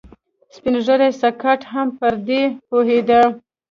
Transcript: سپين ږيری سکاټ هم پر دې پوهېده.